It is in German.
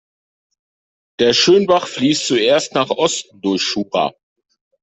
Der Schönbach fließt zuerst nach Osten durch Schura.